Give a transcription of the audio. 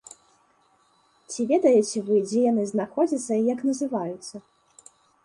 Ці ведаеце вы, дзе яны знаходзяцца і як называюцца?